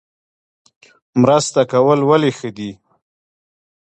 مرسته کول ولې ښه دي؟